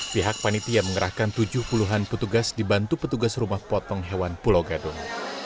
pihak panitia mengerahkan tujuh puluhan petugas dibantu petugas rumah potong hewan pulau gadung